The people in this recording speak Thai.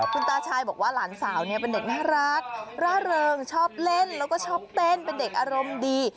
คุณตาชายบอกว่าหลานสาวเนี่ยเป็นเด็กน่ารักร่าเริงชอบเล่นแล้วก็ชอบเต้นเป็นเด็กอารมณ์ดี